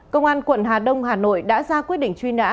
công an quận hà đông hà nội đã ra quyết định truy nã